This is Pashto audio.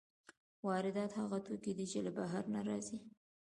واردات هغه توکي دي چې له بهر نه راځي.